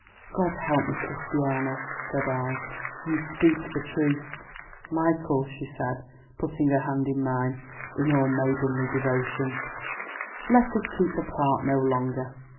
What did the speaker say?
"God help me, Christiana!" said I. "You speak the truth." "Michael!" said she, putting her hand in mine, in all maidenly devotion, "let us keep apart no longer.